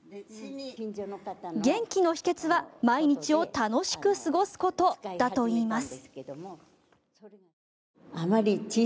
元気の秘けつは、毎日を楽しく過ごすことだといいます。